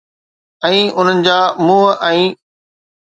۽ انهن جا منهن ۽